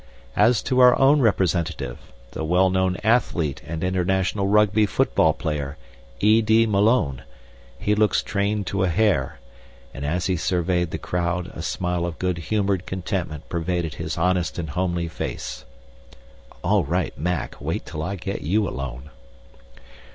As to our own representative, the well known athlete and international Rugby football player, E. D. Malone, he looks trained to a hair, and as he surveyed the crowd a smile of good humored contentment pervaded his honest but homely face." (All right, Mac, wait till I get you alone!)